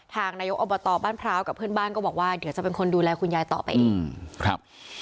นายกอบตบ้านพร้าวกับเพื่อนบ้านก็บอกว่าเดี๋ยวจะเป็นคนดูแลคุณยายต่อไปเองครับ